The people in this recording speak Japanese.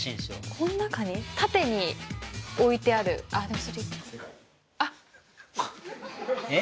この中に縦に置いてあるあっでもえっ？